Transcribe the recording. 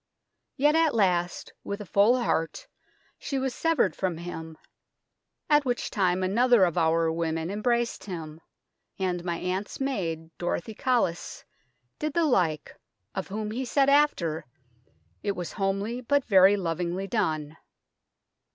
Yet at last with a full heart she was severed from him, at which time 60 THE TOWER OF LONDON another of our women embraced him ; and my aunt's maid Dorothy Collis did the like, of whom he said after, it was homely but very lovingly done.